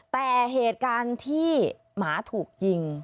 แต่เหตุการณ์ที่หมาถูกยิง